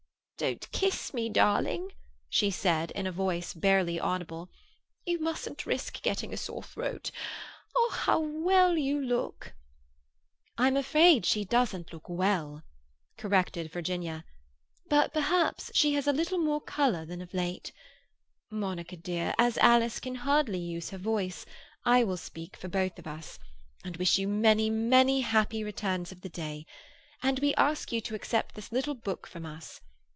"Don't kiss me, darling," she said, in a voice barely audible. "You mustn't risk getting a sore throat. How well you look!" "I'm afraid she doesn't look well," corrected Virginia; "but perhaps she has a little more colour than of late. Monica, dear, as Alice can hardly use her voice, I will speak for both of us, and wish you many, many happy returns of the day. And we ask you to accept this little book from us.